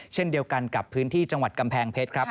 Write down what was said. เช่นเดียวกันกับพื้นที่จังหวัดกำแพงเพชรครับ